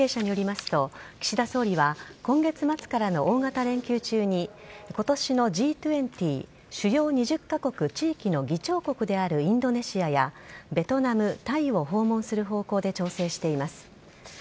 複数の政府関係者によりますと岸田総理は今月末からの大型連休中に今年のＧ２０＝主要２０カ国地域の議長国であるインドネシアやベトナム、タイを訪問する方向で調整しています。